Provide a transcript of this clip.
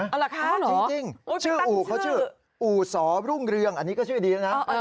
เอาเหรอคะจริงชื่ออู่เขาชื่ออู่สอรุ่งเรืองอันนี้ก็ชื่อดีแล้วนะ